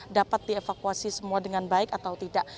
dapat dievakuasi semua dengan baik atau tidak